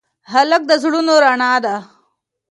هلک د زړونو رڼا ده.